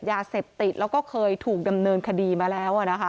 ยาเสพติดแล้วก็เคยถูกดำเนินคดีมาแล้วนะคะ